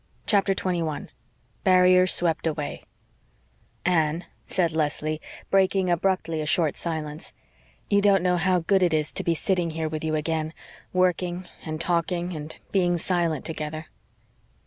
CHAPTER 21 BARRIERS SWEPT AWAY "Anne," said Leslie, breaking abruptly a short silence, "you don't know how GOOD it is to be sitting here with you again working and talking and being silent together."